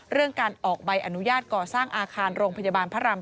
การออกใบอนุญาตก่อสร้างอาคารโรงพยาบาลพระราม๓